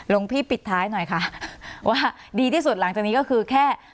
พี่ปิดท้ายหน่อยค่ะว่าดีที่สุดหลังจากนี้ก็คือแค่